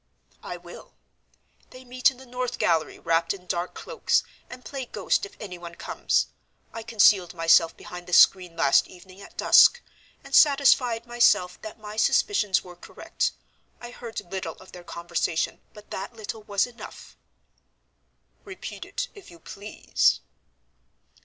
"I will. They meet in the north gallery, wrapped in dark cloaks, and play ghost if anyone comes. I concealed myself behind the screen last evening at dusk, and satisfied myself that my suspicions were correct. I heard little of their conversation, but that little was enough." "Repeat it, if you please."